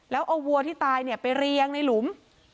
แล้วเอาวัวที่ตายไปเรียงในหลุม